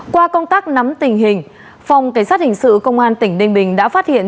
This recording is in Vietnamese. qua công tác nắm tình hình phòng cảnh sát hình sự công an tỉnh ninh bình đã phát hiện